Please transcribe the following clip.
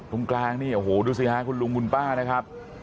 ตรงกลางนี่โอ้โหดูสิฮะคุณลุงคุณป้านะครับ